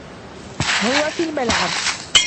هو في الملعب.